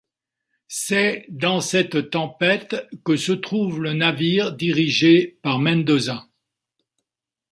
C’est dans cette tempête que se trouve le navire dirigé par Mendoza.